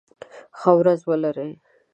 ښه ورځ ولرئ.